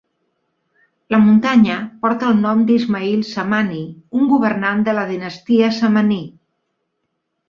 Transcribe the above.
La muntanya porta el nom d'Ismail Samani, un governant de la dinastia Samaní.